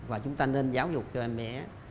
và chúng ta nên giáo dục cho em bé